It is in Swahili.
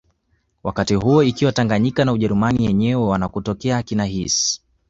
Wakati huo ikiwa Tanganyika na Ujerumani yenyewe wanakotokea akina Hiss